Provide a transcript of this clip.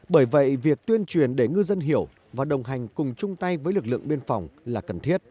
bởi vậy việc tuyên truyền để ngư dân hiểu và đồng hành cùng chung tay với lực lượng biên phòng là cần thiết